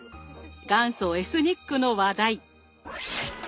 元祖エスニックの話題。